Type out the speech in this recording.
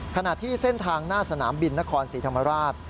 ขณะที่เส้นทางหน้าสนามบินนครศรีธรรมราช